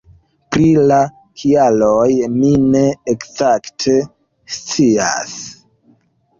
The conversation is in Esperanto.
Pri la kialoj mi ne ekzakte scias.